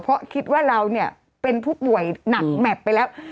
เพราะคิดว่าเราเนี่ยเป็นผู้ป่วยหนักแมพไปแล้ว